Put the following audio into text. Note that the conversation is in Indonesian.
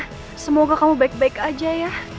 ya allah rena semoga kamu baik baik aja ya